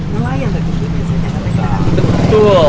nelayan berarti di sini